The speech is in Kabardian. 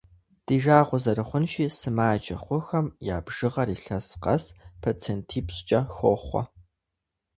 Ди жагъуэ зэрыхъунщи, сымаджэ хъухэм я бжыгъэр илъэс къэс процентипщӏкӏэ хохъуэ.